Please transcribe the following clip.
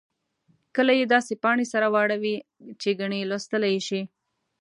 کله یې داسې پاڼې سره واړوئ چې ګنې لوستلای یې شئ.